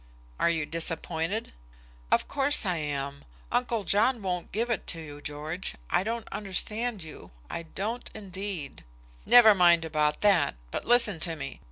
"Are you disappointed?" "Of course I am; uncle John won't give it you. George, I don't understand you; I don't, indeed." "Never mind about that, but listen to me.